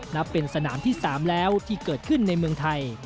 นับเป็นสนามที่๓แล้วที่เกิดขึ้นในเมืองไทย